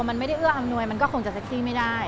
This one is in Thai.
มันไม่ได้เอื้ออำนวยมันก็คงจะเซ็กซี่ไม่ได้